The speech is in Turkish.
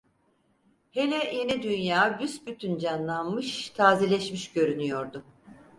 Hele Yeni Dünya büsbütün canlanmış, tazeleşmiş görünüyordu.